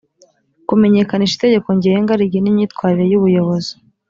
kumenyekanisha itegeko ngenga rigena imyitwarire y ubuyobozi